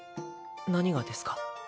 何がですか？